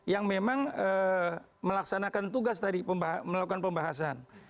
yang memang melaksanakan tugas tadi melakukan pembahasan